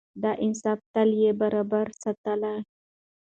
د انصاف تله يې برابره ساتله.